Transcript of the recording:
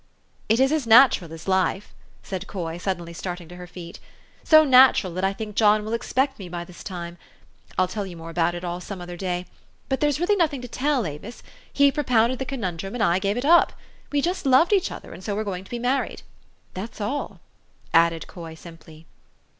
" "It is as natural as life," said Coy, suddenly starting to her feet, "so natural, that I think John will expect me by this time. I'll tell you more about it all some other day. But there's really nothing to tell, Avis. He propounded the conundrum, and I gave it up. We just loved each other, and so we're going to be married. That's ah 1 ," added Coy simply.